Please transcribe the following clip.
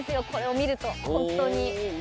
これを見ると本当に。